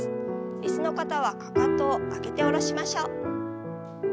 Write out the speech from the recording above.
椅子の方はかかとを上げて下ろしましょう。